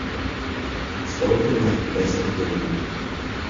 Spoken like the best of women!